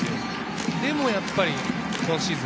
それでもやっぱり今シーズン